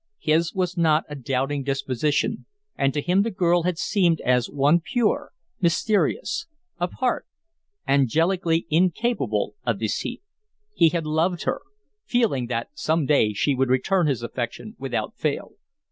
His was not a doubting disposition, and to him the girl had seemed as one pure, mysterious, apart, angelically incapable of deceit. He had loved her, feeling that some day she would return his affection without fail.